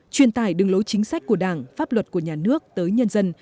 truyền tải đường lối chính sách của đảng pháp luật của nhà nước tới nhân dân